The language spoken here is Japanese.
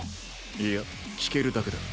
いや聞けるだけだ。